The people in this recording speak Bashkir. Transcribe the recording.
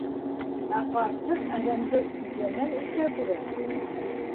Ә ҡарсыҡ әҙәмде үгәнән-үгә күрә.